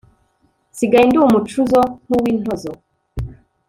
nsigaye ndi umucuzo nk'uwintozo